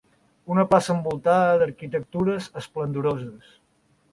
Una plaça envoltada d'arquitectures esplendoroses.